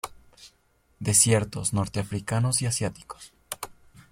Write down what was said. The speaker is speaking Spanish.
Desiertos norteafricanos y asiáticos.